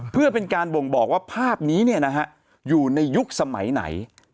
เพื่อเป็นการบ่งบอกว่าภาพนี้อยู่ในยุคสมัยไหน